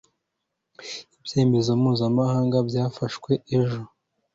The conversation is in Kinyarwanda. Ibyemezo Mpuzamahanga byafashwe ejo